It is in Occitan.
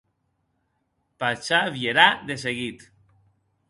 Pacha vierà de seguit.